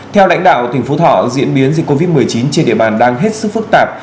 theo lãnh đạo tỉnh phú thọ diễn biến dịch covid một mươi chín trên địa bàn đang hết sức phức tạp